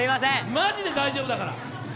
まじで大丈夫だから！